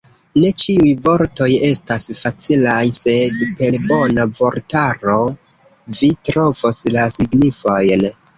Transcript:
Ne ĉiuj vortoj estas facilaj, sed per bona vortaro, vi trovos la signifojn.